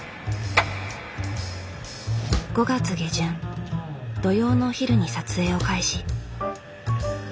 ５月下旬土曜のお昼に撮影を開始。